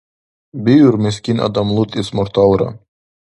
Биур мискин адам лутӀес мурталра.